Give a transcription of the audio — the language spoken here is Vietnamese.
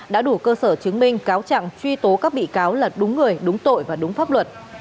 đã đủ cơ sở chứng minh cáo trạng truy tố các bị cáo là đúng người đúng tội và đúng pháp luật